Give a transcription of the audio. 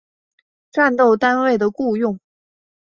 战斗单位的雇用。